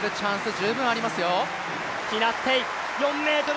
十分ありますよ。